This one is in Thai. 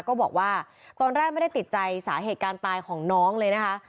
ก็บอกว่าตอนแรกไม่ได้ติดใจสาเหตุการณ์ตายของน้องเลยนะคะ